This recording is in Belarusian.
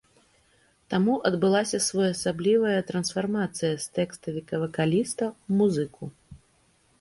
Таму адбылася своеасаблівая трансфармацыя з тэкставіка-вакаліста ў музыку.